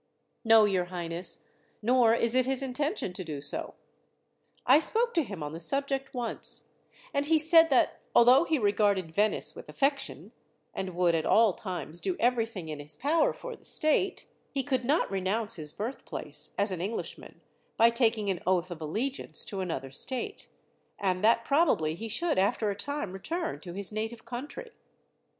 "No, your highness, nor is it his intention to do so. I spoke to him on the subject once, and he said that, although he regarded Venice with affection, and would at all times do everything in his power for the state, he could not renounce his birthplace, as an Englishman, by taking an oath of allegiance to another state, and that probably he should after a time return to his native country.